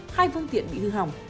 hai phương tiện bị hư hỏng